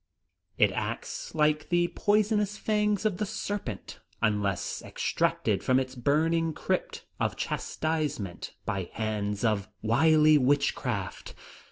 It acts like the poisonous fangs of the serpent, unless extracted from its burning crypt of chastisement by hands of wily witchcraft.